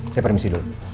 saya permisi dulu